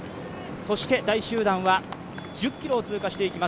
大集団は１０ｋｍを通過していきます。